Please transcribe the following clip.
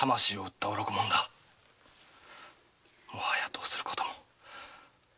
もはやどうすることも。